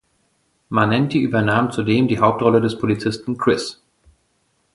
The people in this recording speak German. Manenti übernahm zudem die Hauptrolle des Polizisten Chris.